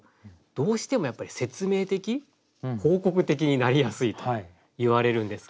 どうしてもやっぱり説明的報告的になりやすいといわれるんですけれど。